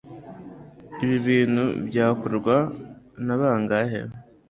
ibi bintu byakorwa na bangahe?